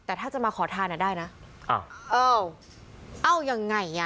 เอายังไงอ่ะ